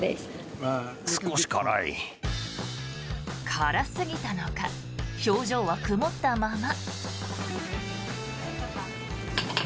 辛すぎたのか表情は曇ったまま。